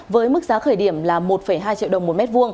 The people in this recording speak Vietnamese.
với mức giá khởi điểm là một hai triệu đồng một m hai